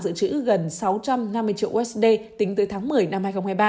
dự trữ gần sáu trăm năm mươi triệu usd tính tới tháng một mươi năm hai nghìn hai mươi ba